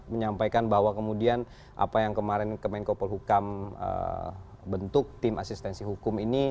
menyampaikan bahwa kemudian apa yang kemarin kemenko polhukam bentuk tim asistensi hukum ini